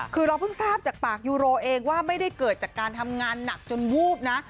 คือเราเพิ่งทราบจากปากยูโรเองว่าไม่ได้เกิดจากการทำงานหนักจนวูบนะ